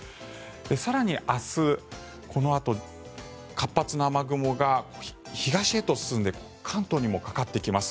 更に、明日、このあと活発な雨雲が東へと進んで関東にもかかってきます。